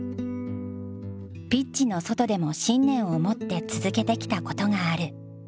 ピッチの外でも信念を持って続けてきたことがある。